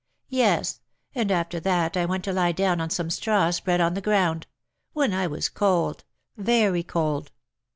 "Yes. And after that I went to lie down on some straw spread on the ground; when I was cold very cold."